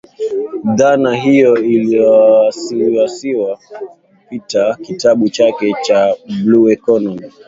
Dhana hiyo iliasisiwa kupitia kitabu chake cha blue Ecomomy